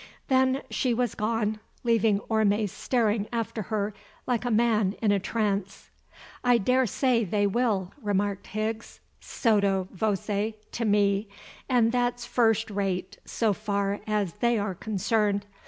Then she was gone, leaving Orme staring after her like a man in a trance. "I daresay they will," remarked Higgs sotto voce to me, "and that's first rate so far as they are concerned.